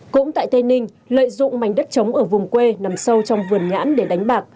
cũng tại tây ninh lợi dụng mảnh đất trống ở vùng quê nằm sâu trong vườn nhãn để đánh bạc